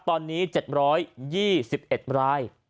ตอนนี้๗๒๑ราย